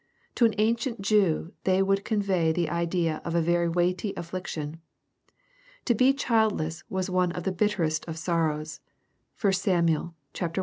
To an ancient Jew they would convey the idea of a very weighty affliction. To be childless was one of the bitterest of sorrows. (1 Sam. i. 10.)